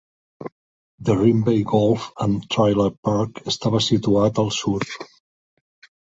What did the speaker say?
The Rimbey Golf and Trailer Park estava situat al sud.